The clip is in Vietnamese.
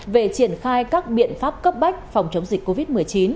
về triển khai các biện pháp cấp bách phòng chống dịch covid một mươi chín